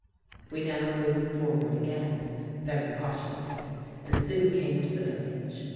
"We now moved forward again, very cautiously, and soon came to the village.